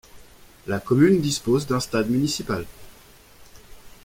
La commune dispose d'un stade municipal.